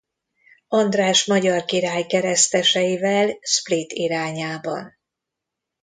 András magyar király kereszteseivel Split irányában.